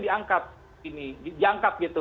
diangkat diangkat gitu